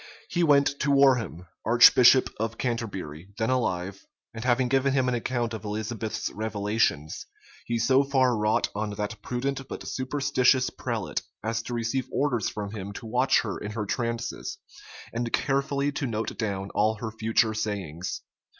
He went to Warham, archbishop of Canterbury, then alive; and having given him an account of Elizabeth's revelations, he so far wrought on that prudent but superstitious prelate, as to receive orders from him to watch her in her trances, and carefully to note down all her future sayings.